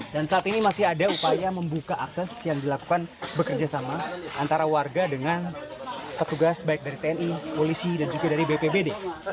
dan saat ini masih ada upaya membuka akses yang dilakukan bekerja sama antara warga dengan petugas baik dari tni polisi dan juga dari bpbd